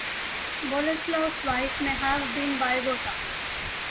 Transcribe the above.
Boleslav's wife may have been Biagota.